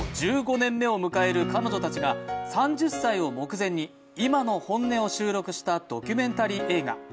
１５年目を迎える彼女たちが３０歳を目前に、今の本音を収録したドキュメンタリー映画。